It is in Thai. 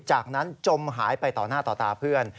จากนั้นจมหายไปต่อหน้าต่อตาเพื่อน